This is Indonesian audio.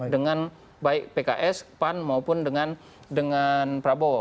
dengan baik pks pan maupun dengan prabowo